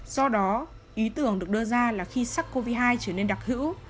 do đó ý tưởng được đưa ra là khi sars cov hai trở nên đặc hữu